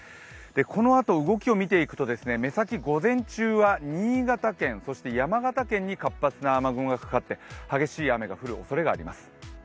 このあと動きを見ていくと、目先午前中は新潟県、そして山がｔ県に活発な雨雲がかかって激しい雨の降るおそれがあります。